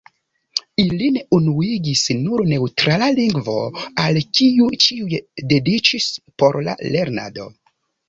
Ilin unuigis nur neŭtrala lingvo, al kiu ĉiuj dediĉis por la lernado.